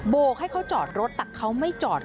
โกกให้เขาจอดรถแต่เขาไม่จอด